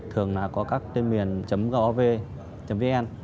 thường là có các tên miền gov vn